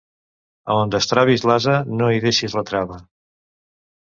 A on destravis l'ase, no hi deixis la trava.